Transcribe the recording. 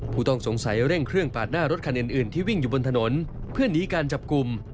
ผู้ต้องสงสัยเร่งเครื่องปาดหน้ารถคันอื่นที่วิ่งอยู่บนถนนเพื่อหนีการจับกลุ่ม